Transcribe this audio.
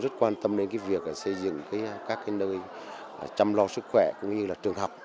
rất quan tâm đến việc xây dựng các nơi chăm lo sức khỏe cũng như là trường học